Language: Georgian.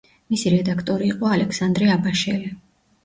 მისი რედაქტორი იყო ალექსანდრე აბაშელი.